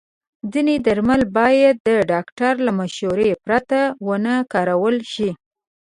ځینې درمل باید د ډاکټر له مشورې پرته ونه کارول شي.